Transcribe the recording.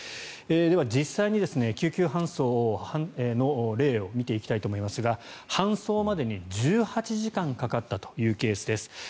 では、実際に救急搬送の例を見ていきたいと思いますが搬送までに１８時間かかったというケースです。